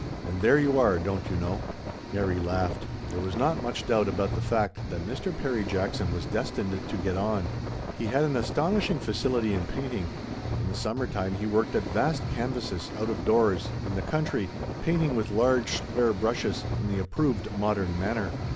And there you are, don't you know." Mary laughed. There was not much doubt about the fact that Mr. Perry Jackson was destined to get on. He had a certain facility in painting ; in the summer time he worked at vast canvases, out of doors, in the country, painting with large square brushes, in the approved modern manner.